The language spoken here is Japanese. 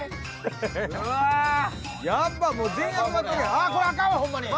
あっこれあかんわホンマに。